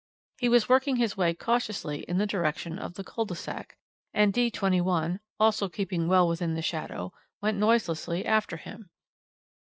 He was working his way cautiously in the direction of the cul de sac, and D 21, also keeping well within the shadow, went noiselessly after him.